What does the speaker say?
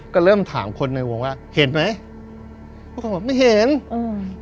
ก็เริ่มถามคนในวงว่าเห็นไหมทุกคนบอกไม่เห็นอืม